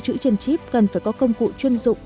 chữ trên chip cần phải có công cụ chuyên dụng